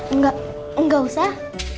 enggak enggak usah